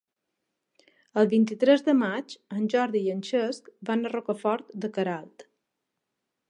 El vint-i-tres de maig en Jordi i en Cesc van a Rocafort de Queralt.